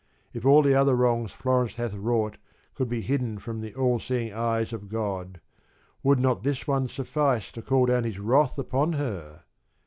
If all the other wrongs Florence hath wrought could be hidden from the all seeing eyes of God, would not this one suffice to call down his wrath upon her